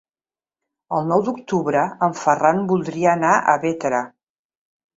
El nou d'octubre en Ferran voldria anar a Bétera.